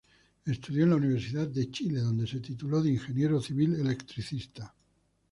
Estudió en la Universidad de Chile donde se tituló de ingeniero civil electricista.